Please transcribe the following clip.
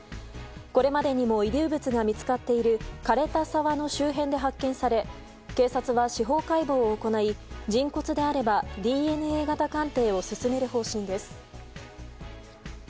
これまでにも遺留物が見つかっている枯れた沢の周辺で発見され、警察は司法解剖を行い人骨であればＤＮＡ型鑑定を進める方針です。